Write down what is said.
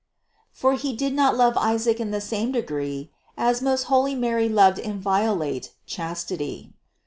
for he did not love Isaac in the same degree as most holy Mary loved inviolate chastity.